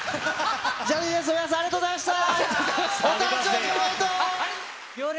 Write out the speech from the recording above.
ジャニーズＷＥＳＴの皆さん、ありがとうございました。